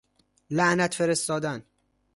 لعنت فرستادن